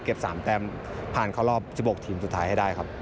๓แต้มผ่านเข้ารอบ๑๖ทีมสุดท้ายให้ได้ครับ